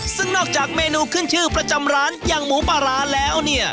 ซึ่งนอกจากเมนูขึ้นชื่อประจำร้านอย่างหมูปลาร้าแล้วเนี่ย